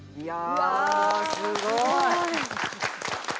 うわあすごい。